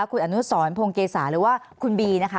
คุณอนุสรพงเกษาหรือว่าคุณบีนะคะ